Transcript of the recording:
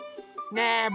ねえ！